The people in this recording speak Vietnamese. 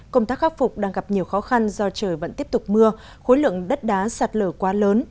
công tác khắc phục đang gặp nhiều khó khăn do trời vẫn tiếp tục mưa khối lượng đất đá sạt lở quá lớn